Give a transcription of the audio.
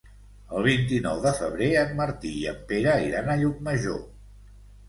El vint-i-nou de febrer en Martí i en Pere iran a Llucmajor.